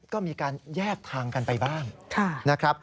ก็มีการแยกทางกันไปบ้าง